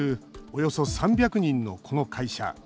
およそ３００人のこの会社。